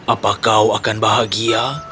apa kau akan bahagia